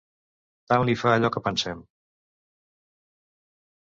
Tant li fa allò que pensem.